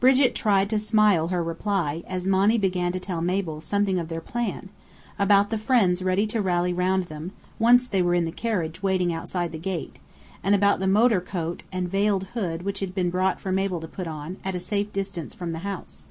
Brigit tried to smile her reply, as Monny began to tell Mabel something of their plan: about the friends ready to rally round them, once they were in the carriage waiting outside the gate; and about the motor coat and veiled hood which had been brought for Mabel to put on, at a safe distance from the house.